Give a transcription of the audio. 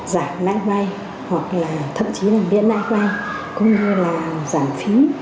giảm lãi vay hoặc là thậm chí là miễn lãi quay cũng như là giảm phí